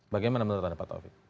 bagaimana menurut anda pak taufik